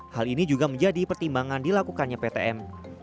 hal ini juga menjadi pertimbangan dilakukannya ptm